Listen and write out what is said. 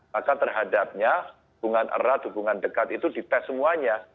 maka terhadapnya hubungan erat hubungan dekat itu dites semuanya